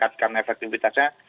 dan meningkatkan efektivitasnya